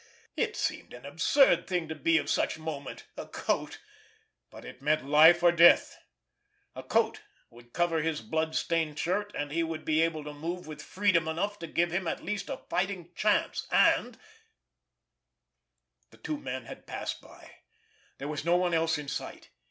It seemed an absurd thing to be of such moment—a coat! But it meant life or death. A coat would cover his blood stained shirt, and he would be able to move with freedom enough to give him at least a fighting chance, and—— The two men had passed by; there was no one else in sight.